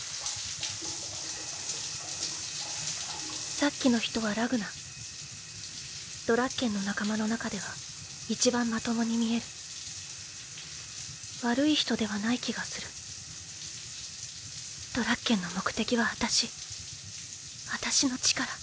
さっきの人はラグナドラッケンの仲間の中では一番まともに見える悪い人ではない気がするドラッケンの目的は私私の力